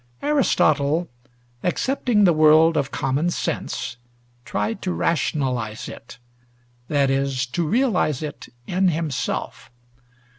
Aristotle, accepting the world of common sense, tried to rationalize it; that is, to realize it in himself.